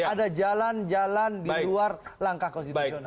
ada jalan jalan di luar langkah konstitusional